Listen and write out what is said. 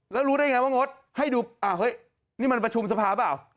แล้วรู้ได้อย่างไรว่างดให้ดูนี่มันประชุมสภาพหรือเปล่า